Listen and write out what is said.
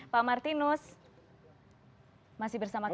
pak martinus masih bersama kami